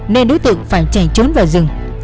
nên đối tượng phải chạy trốn vào rừng